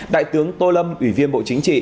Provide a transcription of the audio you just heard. đại tướng tô lâm ủy viên bộ chính trị